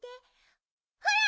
ほら！